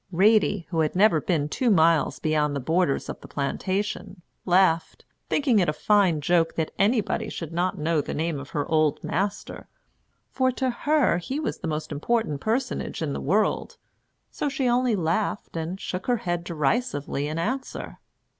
Ratie, who had never been two miles beyond the borders of the plantation, laughed, thinking it a fine joke that anybody should not know the name of her "old master"; for, to her, he was the most important personage in the world. So she only laughed and shook her head derisively in answer.